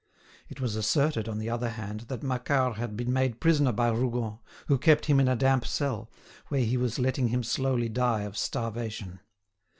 It was asserted, on the other hand, that Macquart had been made prisoner by Rougon, who kept him in a damp cell, where he was letting him slowly die of starvation.